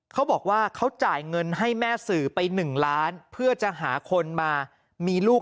เขาบอกว่าเขาจ่ายเงินให้แม่สื่อไป๑ล้านเพื่อจะหาคนมามีลูก